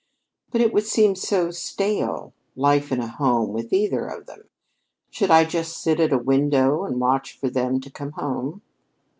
"But it would seem so stale life in a home with either of them! Should I just have to sit at the window and watch for them to come home?"